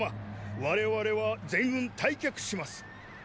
我々は全軍退却します。